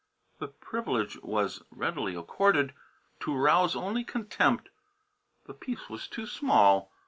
The privilege was readily accorded, to arouse only contempt. The piece was too small.